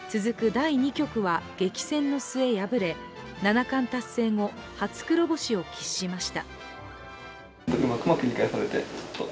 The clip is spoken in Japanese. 第２局は激戦の末敗れ七冠達成後、初黒星を喫しました。